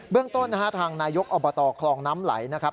เรื่องต้นนะฮะทางนายกอบตคลองน้ำไหลนะครับ